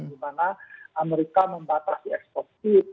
di mana amerika membatasi ekspor chip